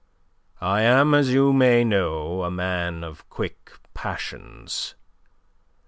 I am, as you may know, a man of quick passions.